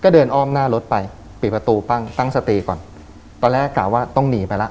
เดินอ้อมหน้ารถไปปิดประตูปั้งตั้งสติก่อนตอนแรกกะว่าต้องหนีไปแล้ว